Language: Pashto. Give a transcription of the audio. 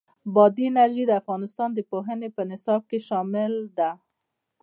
بادي انرژي د افغانستان د پوهنې په نصاب کې شامل ده.